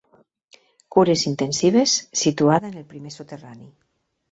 Cures Intensives, situada en el primer soterrani.